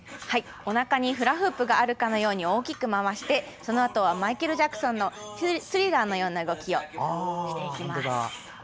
おなかにフラフープがあるかのように大きく回してそのあとはマイケル・ジャクソンの「スリラー」のような動きをしていきます。